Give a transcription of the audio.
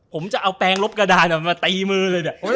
ผมจะเอาแปลงรบกระดานมาตีมือเลย